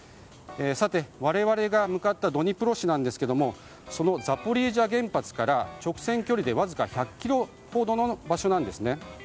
我々が向かったドニプロ市ですがそのザポリージャ原発から直線距離でわずか１００ｋｍほどの場所なんですね。